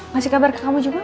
ngasih kabar ke kamu juga